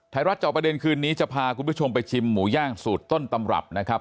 จอบประเด็นคืนนี้จะพาคุณผู้ชมไปชิมหมูย่างสูตรต้นตำรับนะครับ